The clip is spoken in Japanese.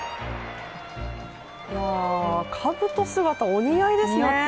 かぶと姿、お似合いですね。